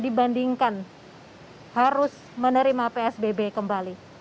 dibandingkan harus menerima psbb kembali